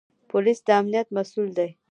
پولیس د امنیت مسوول دی